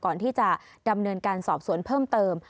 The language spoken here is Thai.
ก่อนที่จะดำเนินการสอบสวนเพิ่มเติม